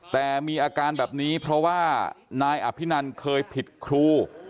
แต่มีอาการแบบนี้เพราะว่านายอภินันเคยผิดครู